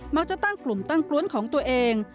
ตั้งกลุ่มตั้งกล้วนของตัวเอง